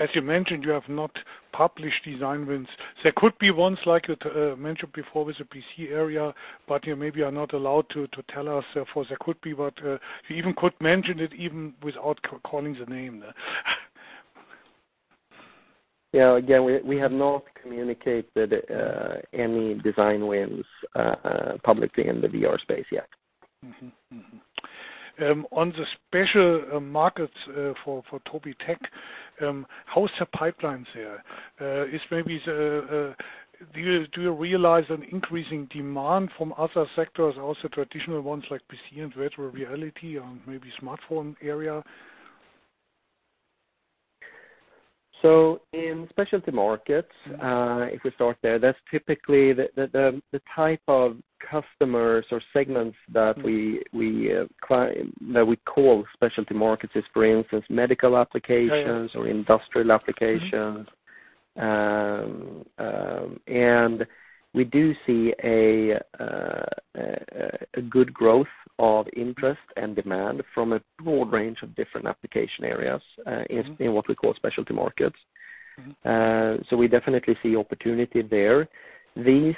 As you mentioned, you have not published design wins. There could be ones like you mentioned before with the PC area, but maybe you are not allowed to tell us, of course there could be, but you even could mention it even without calling the name out. Yeah. Again, we have not communicated any design wins publicly in the VR space yet. Mm-hmm. On the special markets for Tobii Tech, how's the pipelines here? Do you realize an increasing demand from other sectors, also traditional ones like PC and virtual reality or maybe smartphone area? In specialty markets, if we start there, that's typically the type of customers or segments that we call specialty markets, is for instance medical applications, Okay industrial applications. We do see a good growth of interest and demand from a broad range of different application areas, in what we call specialty markets. We definitely see opportunity there. These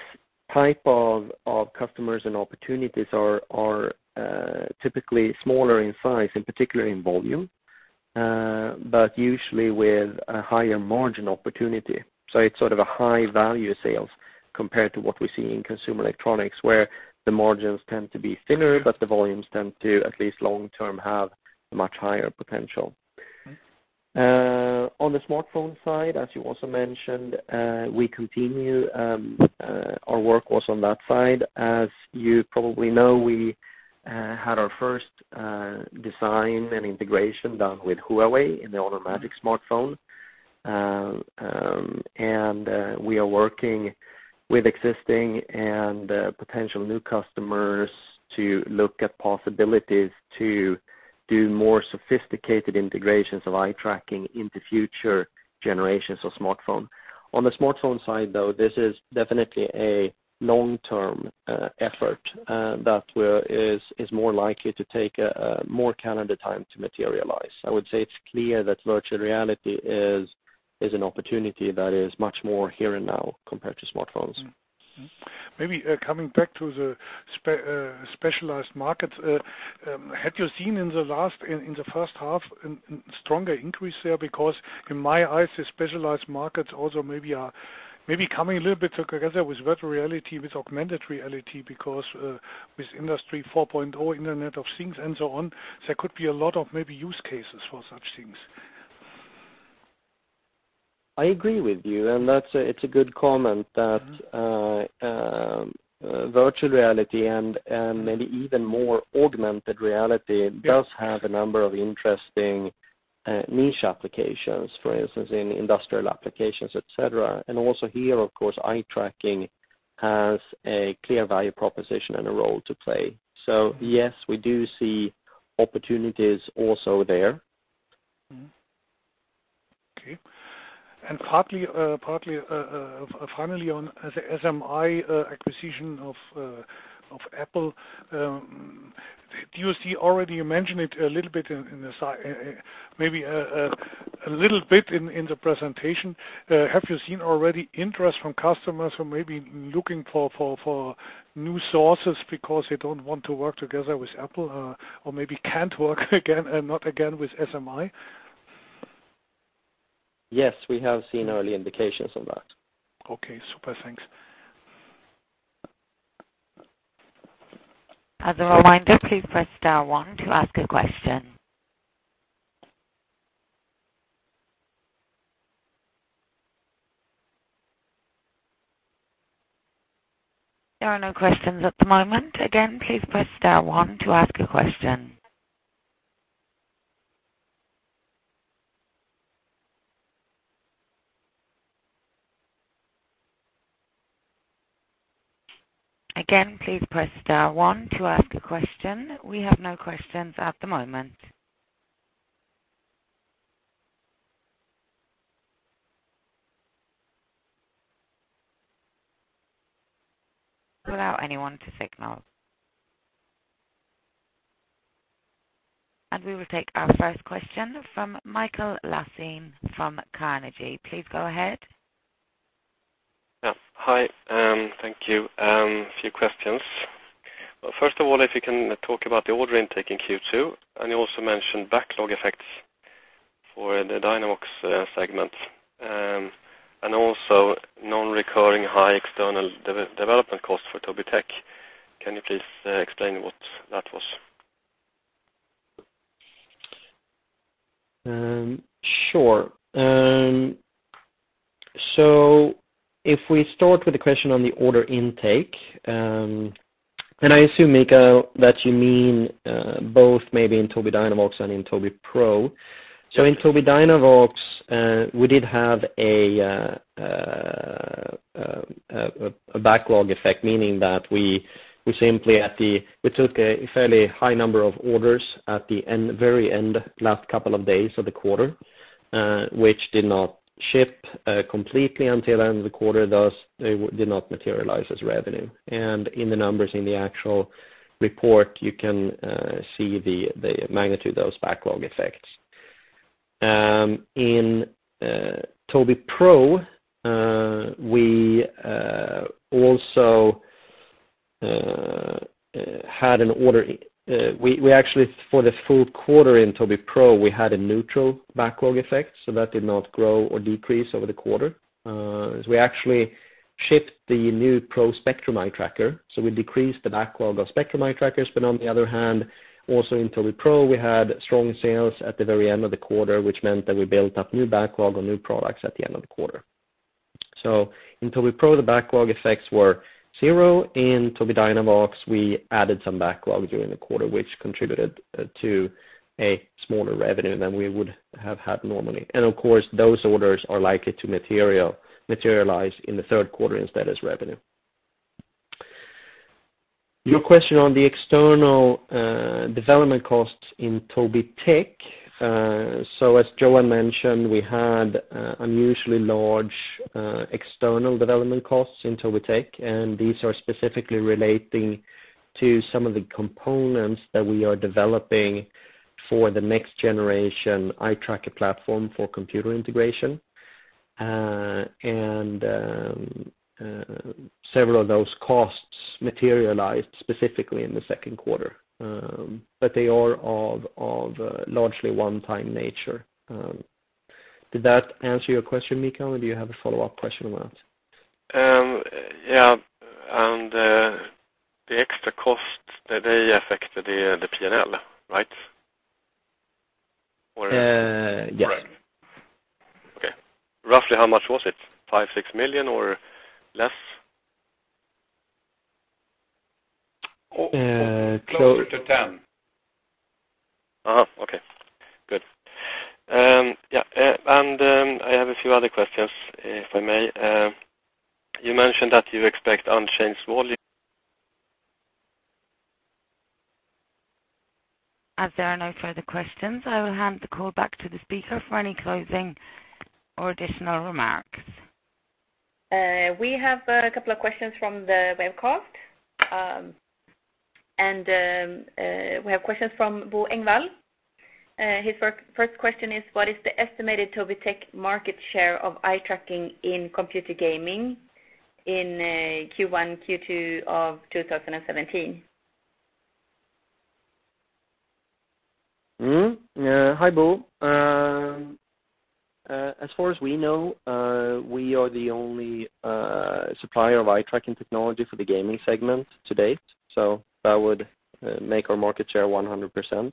type of customers and opportunities are typically smaller in size, in particular in volume, but usually with a higher margin opportunity. It's sort of a high value sales compared to what we see in consumer electronics, where the margins tend to be thinner, but the volumes tend to, at least long term, have much higher potential. Okay. On the smartphone side, as you also mentioned, we continue our work also on that side. As you probably know, we had our first design and integration done with Huawei in the Honor Magic smartphone. We are working with existing and potential new customers to look at possibilities to do more sophisticated integrations of eye tracking into future generations of smartphone. On the smartphone side, though, this is definitely a long-term effort that is more likely to take more calendar time to materialize. I would say it's clear that virtual reality is an opportunity that is much more here and now compared to smartphones. Maybe coming back to the specialized markets. Have you seen in the first half a stronger increase there? Because in my eyes, the specialized markets also maybe are coming a little bit together with virtual reality, with augmented reality. Because, with Industry 4.0, Internet of Things, and so on, there could be a lot of maybe use cases for such things. I agree with you, it's a good comment that virtual reality, and maybe even more augmented reality, does have a number of interesting niche applications. For instance, in industrial applications, et cetera. Also here, of course, eye tracking has a clear value proposition and a role to play. Yes, we do see opportunities also there. Mm-hmm. Okay. Partly, finally on the SMI's acquisition by Apple. You already mentioned it a little bit in the presentation. Have you seen already interest from customers who may be looking for new sources because they don't want to work together with Apple? Maybe can't work again, not again with SMI? Yes, we have seen early indications of that. As there are no further questions, I will hand the call back to the speaker for any closing or additional remarks. We have a couple of questions from the webcast. We have questions from Bo Engvall. His first question is: What is the estimated Tobii Tech market share of eye tracking in computer gaming in Q1, Q2 of 2017? Hi, Bo. As far as we know, we are the only supplier of eye tracking technology for the gaming segment to date, so that would make our market share 100%.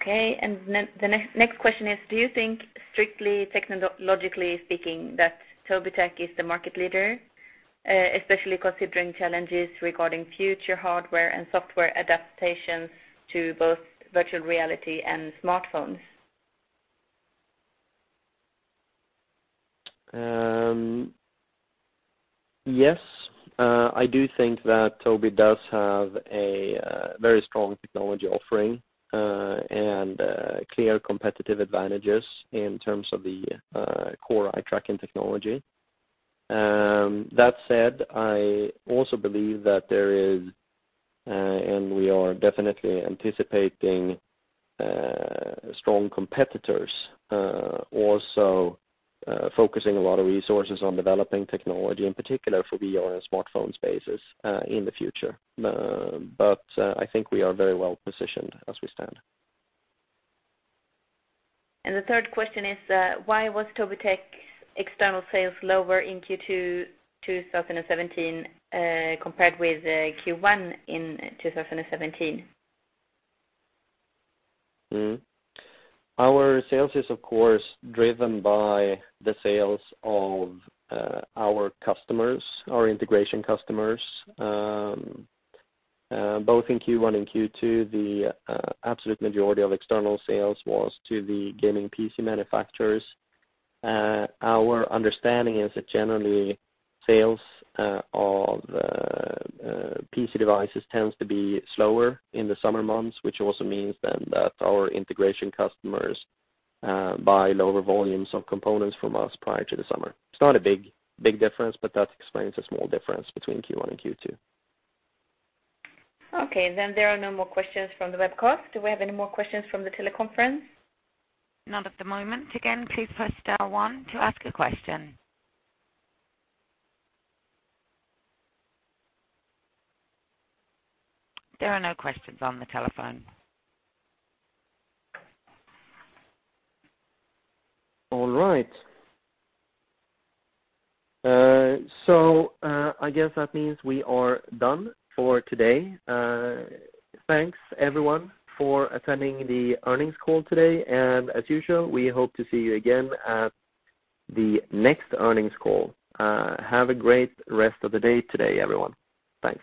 Okay, the next question is: Do you think strictly technologically speaking, that Tobii Tech is the market leader, especially considering challenges regarding future hardware and software adaptation to both virtual reality and smartphones? Yes. I do think that Tobii does have a very strong technology offering and clear competitive advantages in terms of the core eye tracking technology. That said, I also believe that there is, and we are definitely anticipating strong competitors, also focusing a lot of resources on developing technology, in particular for VR and smartphone spaces in the future. I think we are very well-positioned as we stand. The third question is: Why was Tobii Tech's external sales lower in Q2 2017 compared with Q1 in 2017? Our sales is, of course, driven by the sales of our integration customers. Both in Q1 and Q2, the absolute majority of external sales was to the gaming PC manufacturers. Our understanding is that generally, sales of PC devices tends to be slower in the summer months, which also means that our integration customers buy lower volumes of components from us prior to the summer. It's not a big difference, that explains the small difference between Q1 and Q2. Okay, there are no more questions from the webcast. Do we have any more questions from the teleconference? Not at the moment. Again, please press star one to ask a question. There are no questions on the telephone. All right. I guess that means we are done for today. Thanks everyone for attending the earnings call today, and as usual, we hope to see you again at the next earnings call. Have a great rest of the day today, everyone. Thanks.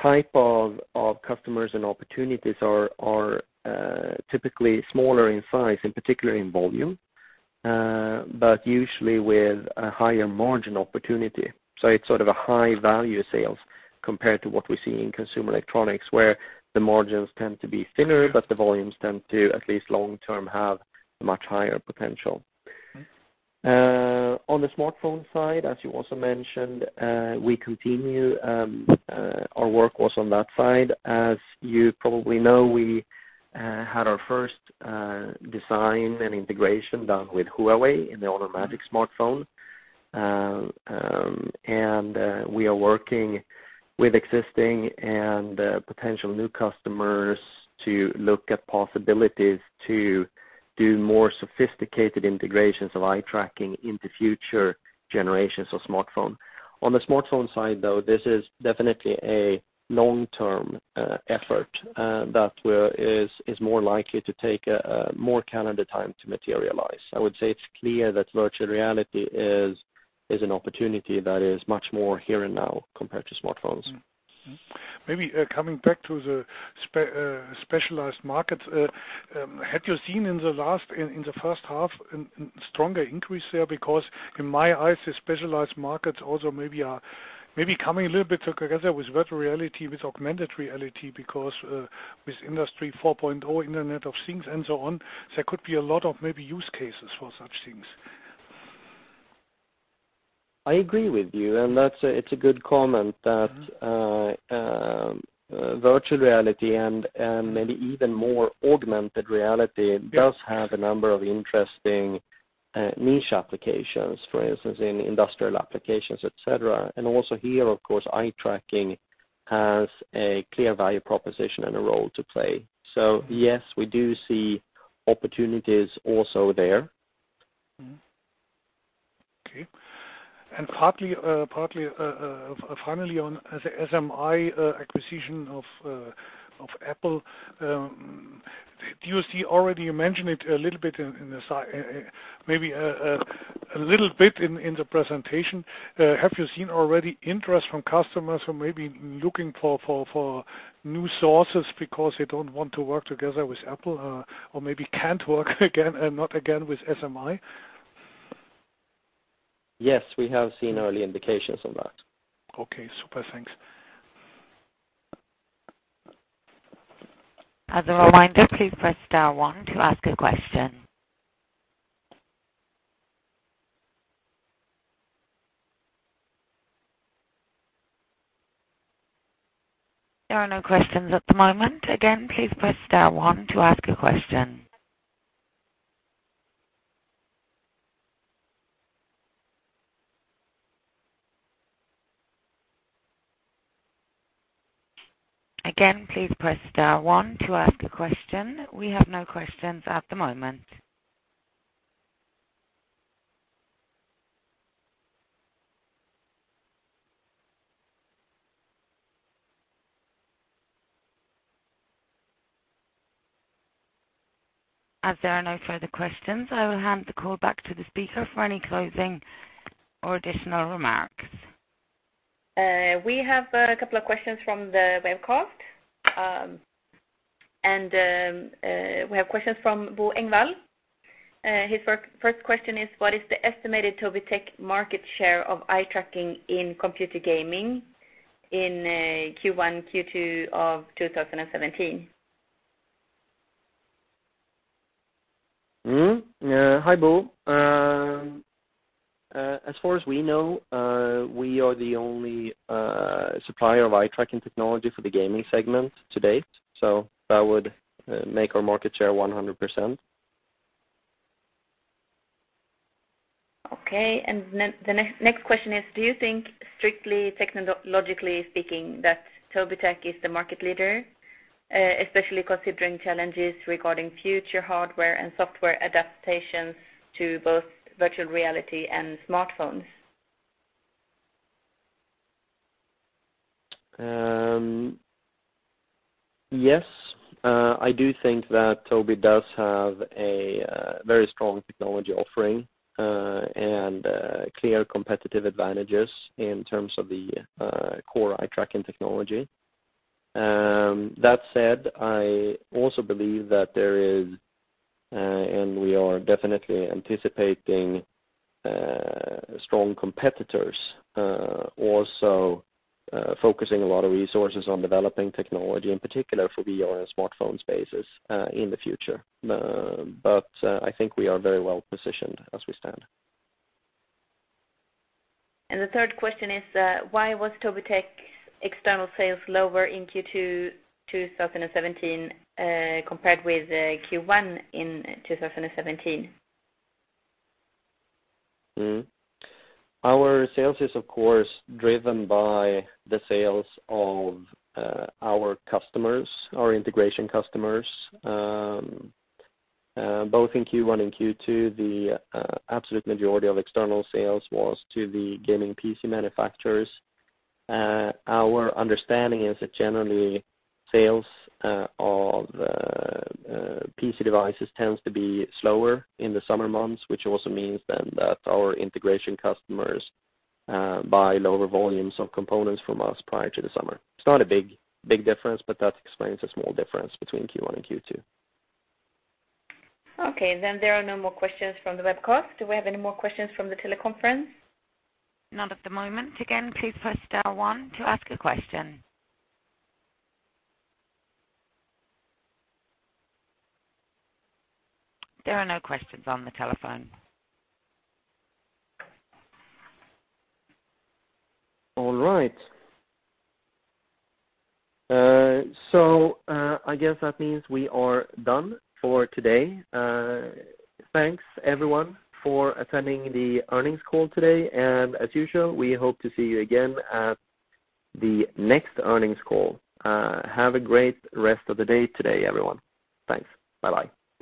Bye-bye.